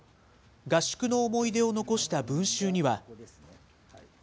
合宿の思い出を残した文集には。